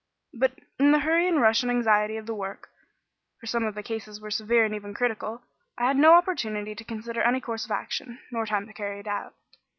But in the hurry and rush and anxiety of the work for some of the cases were severe and even critical I had no opportunity to consider any course of action, nor time to carry it out.